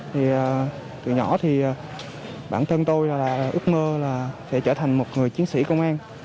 thì từ nhỏ thì bản thân tôi là ước mơ là sẽ trở thành một người chiến sĩ công an